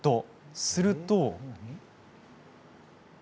すると。